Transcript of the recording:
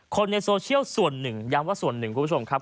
คนในโซเชียลส่วนหนึ่งย้ำว่าส่วนหนึ่งคุณผู้ชมครับ